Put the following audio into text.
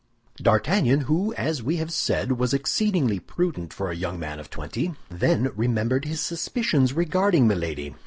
D'Artagnan, who, as we have said, was exceedingly prudent for a young man of twenty, then remembered his suspicions regarding Milady.